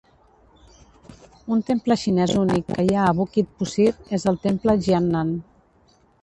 Un temple xinès únic que hi ha a Bukit Pusir és el temple Jian Nan.